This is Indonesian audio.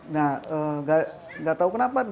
nah gak tahu kenapa